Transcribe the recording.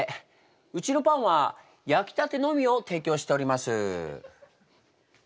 うちのパンは焼きたてのみを提供しております。